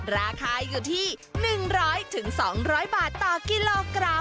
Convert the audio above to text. ราคาอยู่ที่๑๐๐๒๐๐บาทต่อกิโลกรัม